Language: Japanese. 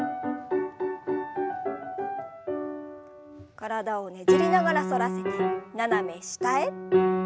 体をねじりながら反らせて斜め下へ。